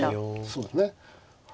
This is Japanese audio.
そうですね。